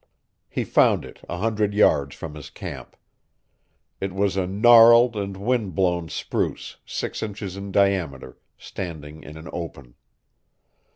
He found it a hundred yards from his camp. It was a gnarled and wind blown spruce six inches in diameter, standing in an open.